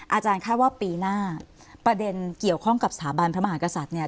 อาจารย์คาดว่าปีหน้าประเด็นเกี่ยวข้องกับสถาบันพระมหากษัตริย์เนี่ย